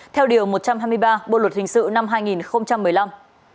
theo điều một trăm hai mươi ba bộ luật hình sự năm hai nghìn một mươi năm